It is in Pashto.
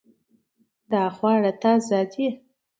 دا خواړه تازه دي